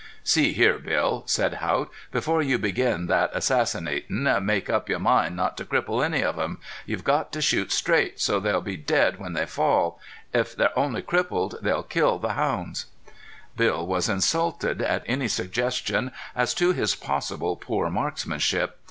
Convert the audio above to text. "See here, Bill," said Haught, "before you begin that assassinatin' make up your mind not to cripple any of them. You've got to shoot straight, so they'll be dead when they fall. If they're only crippled, they'll kill the hounds." Bill was insulted at any suggestions as to his possible poor marksmanship.